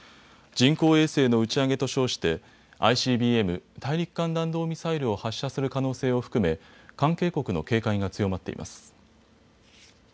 人工衛星の打ち上げと称してＩＣＢＭ・大陸間弾道ミサイルを発射する可能性を含め関係国の警戒が強まっています。